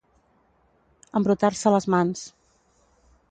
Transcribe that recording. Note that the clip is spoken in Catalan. Embrutar-se les mans.